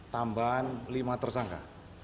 tambahan lima tersangka